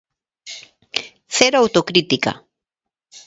Cero autocrítica.